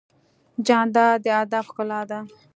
جانداد د ادب ښکلا ده.